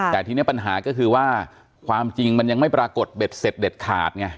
แต่ทีนี้ปัญหาก็คือว่าความจริงมันยังไม่ปรากฏเบ็ดเสร็จเด็ดขาดไง